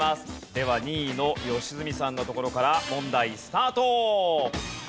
では２位の良純さんのところから問題スタート。